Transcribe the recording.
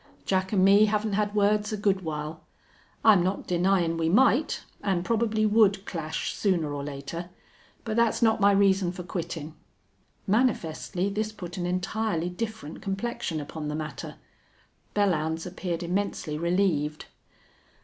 Jack an' me haven't had words a good while. I'm not denyin' we might, an' probably would clash sooner or later. But that's not my reason for quittin'." Manifestly this put an entirely different complexion upon the matter. Belllounds appeared immensely relieved.